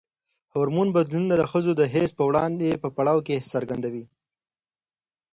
هورمون بدلونونه د ښځو د حیض په پړاو کې څرګند دي.